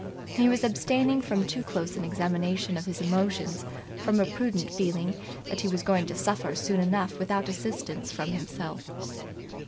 He was abstaining from too close an examination of his emotions from a prudent feeling that he was going to suffer soon enough without assistance from himself.